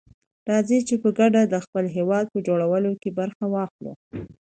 راځي چي په ګډه دخپل هيواد په جوړولو کي برخه واخلو.